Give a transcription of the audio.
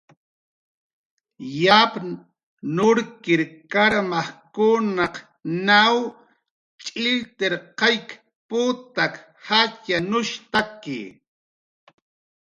Yapn nurkir karmajkunaq naw ch'illtirqayk putak jatxyanushtaki